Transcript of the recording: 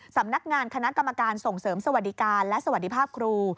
สำนักงานคณะกรรมการส่งเสริมสวัสดิการและสวัสดีภาพครู